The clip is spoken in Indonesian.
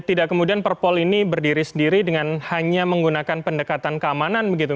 tidak kemudian perpol ini berdiri sendiri dengan hanya menggunakan pendekatan keamanan begitu